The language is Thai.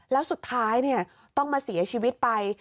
แล้วสุดท้ายต้องมาเสียชีวิตไป